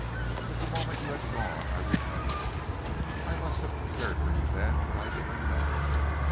But the moment you had gone I repented. I must have cared for you then, but I didn't know....